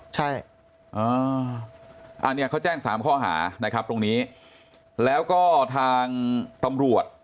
ใช่อันนี้เขาแจ้งสามข้อหานะครับตรงนี้แล้วก็ทางตำรวจ